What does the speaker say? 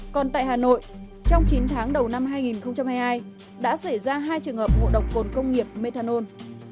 còn tại hà nội trong chín tháng đầu năm hai nghìn hai mươi hai đã xảy ra hai trường hợp ngộ độc cồn công nghiệp methanol